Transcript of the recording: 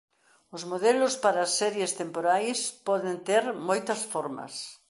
Os modelos para as series temporais poden ter moitas formas.